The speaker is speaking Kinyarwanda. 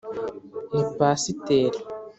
ni pasiteri